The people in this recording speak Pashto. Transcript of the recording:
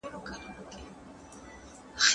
¬ اوبه پر لوړه وهه، کته په خپله ځي.